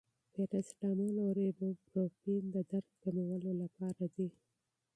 پاراسټامول او ایبوپروفین د درد کمولو لپاره دي.